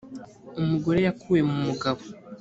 umugore yakuwe mu mugabo